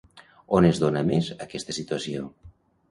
On es dona més aquesta situació?